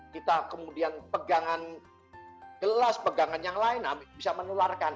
kita kemudian pegangan gelas pegangan yang lain bisa menularkan